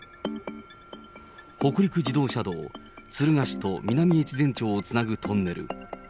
北陸自動車道、敦賀市と南越前町をつなぐトンネル。